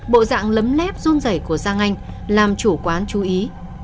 bộ dạng lấm lép run rảy của giang anh làm chủ quán chú ý